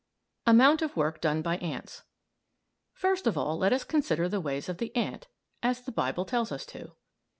AMOUNT OF WORK DONE BY ANTS First of all let us consider the ways of the ant (as the Bible tells us to).